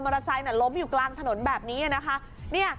มอเตอร์ไซค์ล้มอยู่กลางถนนแบบนี้